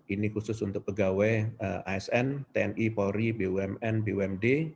ini khusus untuk pegawai asn tni polri bumn bumd